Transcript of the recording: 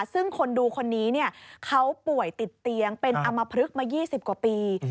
ซึ่งคนดูคนนี้เขาป่วยติดเตียงเป็นอำมพลึกมา๒๐กว่าปี